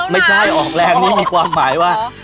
ไม่ใช่ออกแรงนี่มีความหมายว่า